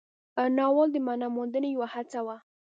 ناول د معنا موندنې یوه هڅه وه.